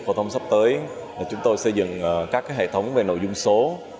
phần mềm giáo dục sắp tới chúng tôi xây dựng các hệ thống về nội dung số